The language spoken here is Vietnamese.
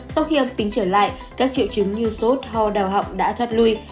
sau khi âm tính trở lại các triệu chứng như sốt ho đau họng đã thoát lui